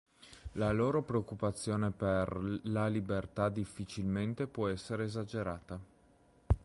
La loro preoccupazione per "la libertà difficilmente può essere esagerata".